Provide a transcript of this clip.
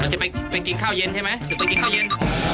จะไปกินข้าวเย็นใช่ไหมจะไปกินข้าวเย็น